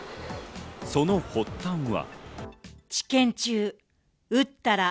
その発端は。